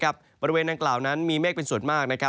บริเวณดังกล่าวนั้นมีเมฆเป็นส่วนมาก